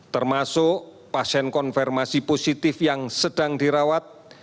termasuk pasien konfirmasi positif yang sedang dirawat